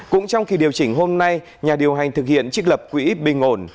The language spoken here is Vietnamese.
cũng trong kỳ điều chỉnh hôm nay nhà điều hành thực hiện trích lập quỹ bình ổn